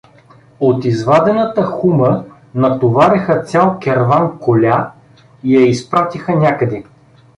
От извадената хума натовариха цял керван коля и я изпратиха някъде.